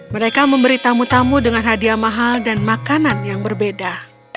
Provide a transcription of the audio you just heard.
mereka memberi tamu tamu dengan hadiah mahal dan makanan yang berbeda